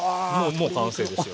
もう完成ですよ。